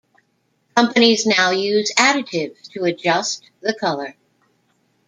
Companies now use additives to adjust the color.